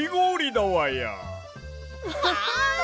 わあ！